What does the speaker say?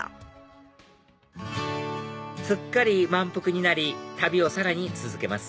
すっかり満腹になり旅をさらに続けます